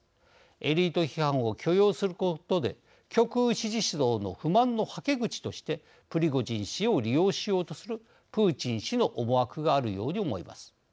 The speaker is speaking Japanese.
エリート批判を許容することで極右支持層の不満のはけ口としてプリゴジン氏を利用しようとするプーチン氏の思惑があるように思います。